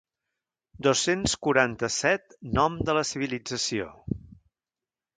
Dos-cents quaranta-set nom de la civilització.